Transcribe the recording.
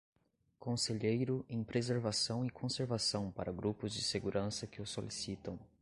Conselheiro em preservação e conservação para grupos de segurança que o solicitam.